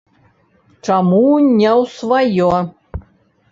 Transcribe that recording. Чаму не ў сваё?